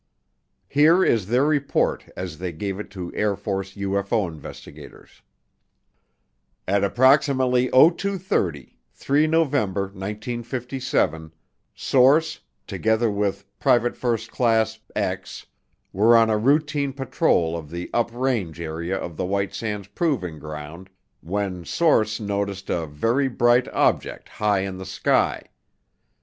Here is their report as they gave it to Air Force UFO investigators: "At approximately 0230, 3 November 1957, Source, together with PFC , were on a routine patrol of the up range area of the White Sands Proving Ground when Source noticed a 'very bright' object high in the sky.